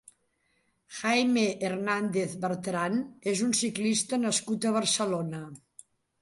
Jaime Hernández Bertrán és un ciclista nascut a Barcelona.